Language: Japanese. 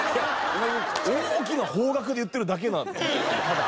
大きな方角で言ってるだけなのでただ。